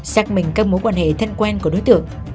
xác minh các mối quan hệ thân quen của đối tượng